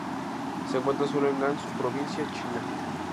Se encuentra sólo en Gansu provincia, China.